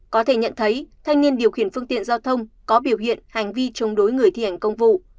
có thể nhận thấy thanh niên điều khiển phương tiện giao thông có biểu hiện hành vi chống đối người thi hành công vụ